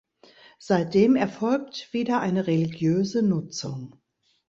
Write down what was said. Seitdem erfolgt wieder eine religiöse Nutzung.